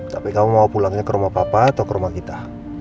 tapi kamu mau pulangnya ke rumah papa atau ke rumah kita